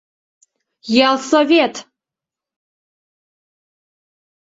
— Ялсовет!